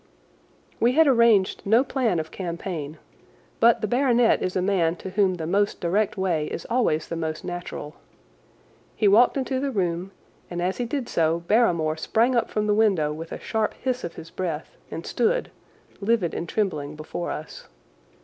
We had arranged no plan of campaign, but the baronet is a man to whom the most direct way is always the most natural. He walked into the room, and as he did so Barrymore sprang up from the window with a sharp hiss of his breath and stood, livid and trembling, before us.